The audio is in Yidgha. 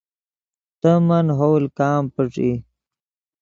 تے من ین ہاول کام پݯ ای